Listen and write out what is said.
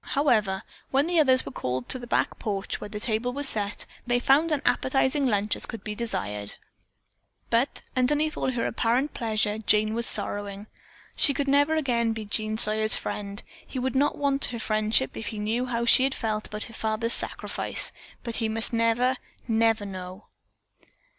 However, when the others were called to the back porch, where the table was set, they found as appetizing a lunch as could be desired. But underneath all her apparent pleasure Jane was sorrowing. She never again could be Jean Sawyer's friend. He would not want her friendship if he knew how she had felt about her father's sacrifice, but he must never, never know.